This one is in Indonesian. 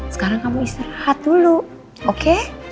sekarang kamu istirahat dulu oke